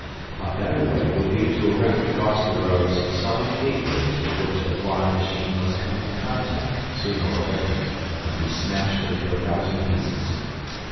A better way would be to erect across the roads solid gateways with which the flying machine must come in contact sooner or later, and be smashed into a thousand pieces.